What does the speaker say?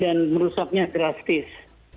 dan merusaknya drastis